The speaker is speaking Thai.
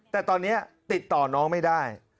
แต่ตอนนี้ติดต่อน้องไม่ได้